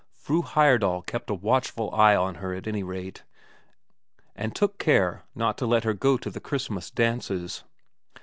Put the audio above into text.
Fru Heyerdahl kept a watchful eye on her at any rate, and took care not to let her go to the Christmas dances.